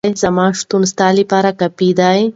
زما شتون ستا لپاره کافي دی.